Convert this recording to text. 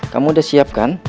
kamu udah siap kan